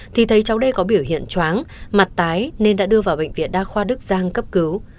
thì thấy cháu đây có biểu hiện chóng mặt tái nên đã đưa vào bệnh viện đa khoa đức giang cấp cứu